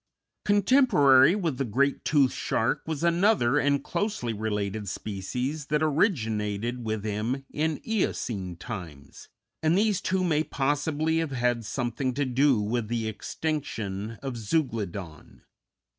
Contemporary with the great toothed shark was another and closely related species that originated with him in Eocene times, and these two may possibly have had something to do with the extinction of Zeuglodon.